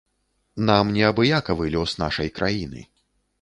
Нам неабыякавы лёс нашай краіны.